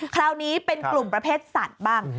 คราวนี้เป็นกลุ่มประเภทสัตว์บ้าง